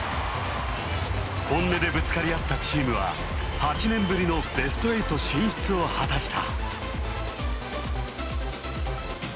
本音でぶつかり合ったチームは８年ぶりのベスト８進出を果たした。